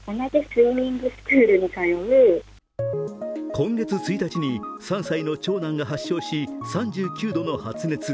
今月１日に３歳の長男が発症し、３９度の発熱。